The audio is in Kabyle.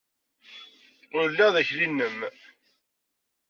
Ur lliɣ d akli-nnem!